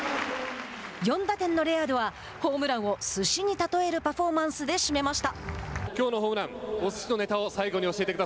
４打点のレアードはホームランをすしに例えるパフォーマンスで締めました。